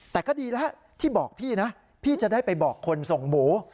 แต่ก็ดีแล้วที่บอกพี่นะพี่จะได้ไปบอกคนส่งหมู